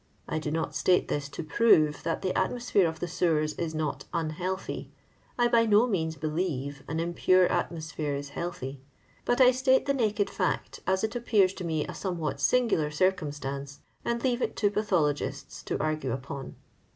I do not state this to prove that the atraogphere of the sewers is not unhealthy — I by no means believe nn impure atmosphere is healthy — but I state the naked fact, as it appears to me a somewhat singular circumstance, and leave it to pathologists to argne upon."